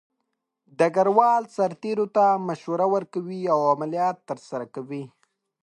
ډګروال د سرتیرو ته مشوره ورکوي او عملیات ترسره کوي.